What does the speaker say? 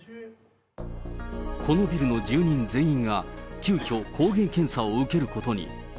このビルの住人全員が急きょ、抗原検査を受けることに。